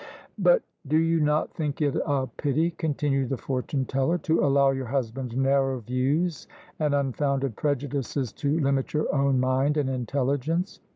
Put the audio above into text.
" But do you not think it a pity," continued the fortune teller, " to allow your husband's narrow views and unfoimded prejudices to limit your own mind and intelli gence?